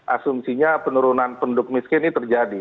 asumsinya penurunan penduduk miskin ini terjadi